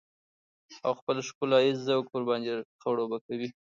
او خپل ښکلاييز ذوق ورباندې خړوبه وي.